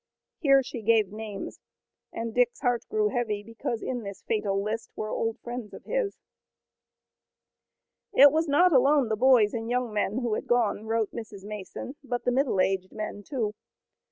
Here she gave names and Dick's heart grew heavy, because in this fatal list were old friends of his. It was not alone the boys and young men who had gone, wrote Mrs. Mason, but the middle aged men, too.